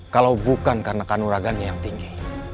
kalau bukan karena kanuragannya yang tinggi